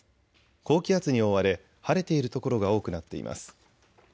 高気圧に覆われ晴れている所が多くなっています。